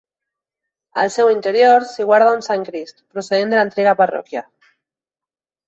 Al seu interior s'hi guarda un Sant Crist procedent de l'antiga parròquia.